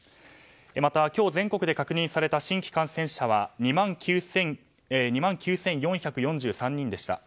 また、今日全国で確認された新規感染者は２万９４４３人でした。